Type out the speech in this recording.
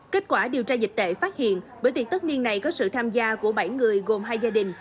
kết quả điều tra dịch tệ phát hiện bữa tiệc tất niên này có sự tham gia của bảy người gồm hai gia đình